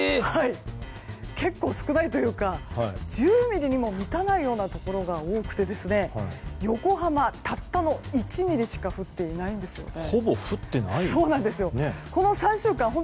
結構少ないというか１０ミリにも満たないところが多くて横浜たったの１ミリしか降っていないんですよね。